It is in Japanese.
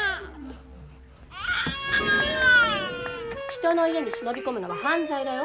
・人の家に忍び込むのは犯罪だよ。